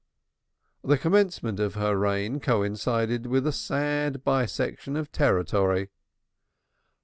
The commencement of her reign coincided with a sad bisection of territory.